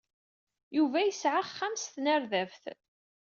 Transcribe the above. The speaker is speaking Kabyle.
Yuba yesɛa axxam s tnerdabt.